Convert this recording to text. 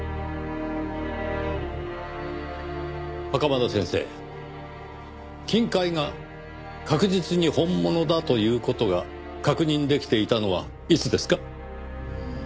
袴田先生金塊が確実に本物だという事が確認できていたのはいつですか？